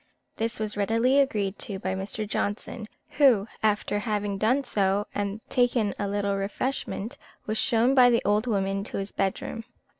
This was readily agreed to by Mr. Johnson, who, after having done so, and taken a little refreshment, was shown by the old woman to his bedroom.